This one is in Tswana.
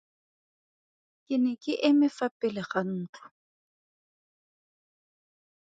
Ke ne ke eme fa pele ga ntlo.